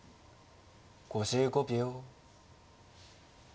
５５秒。